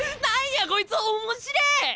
何やこいつおもしれえ！